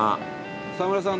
澤村さん。